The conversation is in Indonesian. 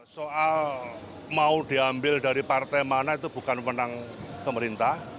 soal mau diambil dari partai mana itu bukan menang pemerintah